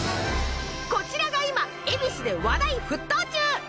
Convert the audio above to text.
こちらが今恵比寿で話題沸騰中！